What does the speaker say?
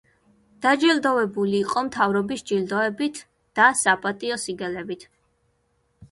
დაჯილდოვებული იყო მთავრობის ჯილდოებით და საპატიო სიგელებით.